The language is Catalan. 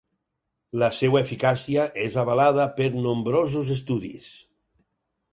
La seva eficàcia és avalada per nombrosos estudis.